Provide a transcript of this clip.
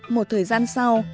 một thời gian sau